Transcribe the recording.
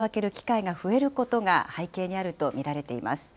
暖かくなって、窓を開ける機会が増えることが背景にあると見られています。